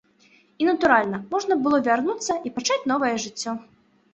І, натуральна, можна было б вярнуцца і пачаць новае жыццё.